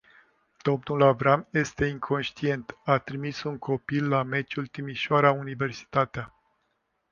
Domnul Avram este inconștient, a trimis un copil la meciul Timișoara Universitatea.